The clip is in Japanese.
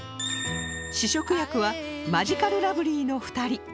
試食役はマヂカルラブリーの２人